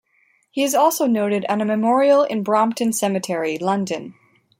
He is also noted on a memorial in Brompton Cemetery, London.